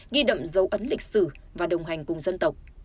ghi đậm dấu ấn lịch sử và đồng hành cùng dân tộc